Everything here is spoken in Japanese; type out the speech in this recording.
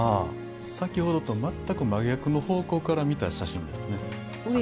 先ほどと全く真逆の方向から見た写真ですね。